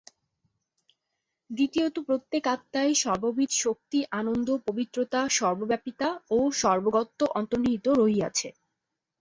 দ্বিতীয়ত প্রত্যেক আত্মায় সর্ববিধ শক্তি আনন্দ পবিত্রতা সর্বব্যাপিতা ও সর্বজ্ঞত্ব অন্তর্নিহিত রহিয়াছে।